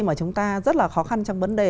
mà chúng ta rất là khó khăn trong vấn đề